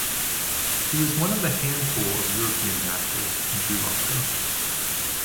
She was one of the handful of European Radicals in Sri Lanka.